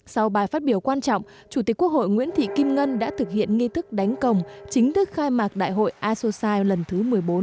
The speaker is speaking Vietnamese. sau bài phát biểu quan trọng chủ tịch quốc hội nguyễn thị kim ngân đã thực hiện nghi thức đánh công chính thức khai mạc đại hội asosai lần thứ một mươi bốn